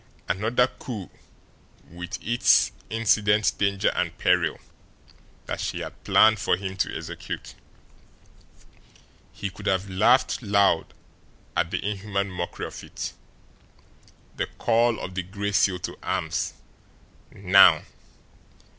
Another coup, with its incident danger and peril, that she had planned for him to execute! He could have laughed aloud at the inhuman mockery of it. The call of the Gray Seal to arms NOW!